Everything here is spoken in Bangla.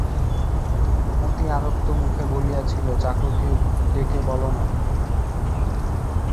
মতি আরক্ত মুখে বলিয়াছিল, চাকরকে ডেকে বলো না?